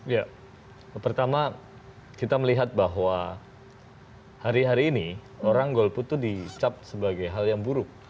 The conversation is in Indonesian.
ya pertama kita melihat bahwa hari hari ini orang golput itu dicap sebagai hal yang buruk